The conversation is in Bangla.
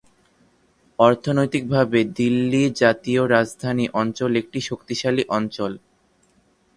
অর্থনৈতিকভাবে দিল্লী জাতীয় রাজধানী অঞ্চল একটি শক্তিশালী অঞ্চল।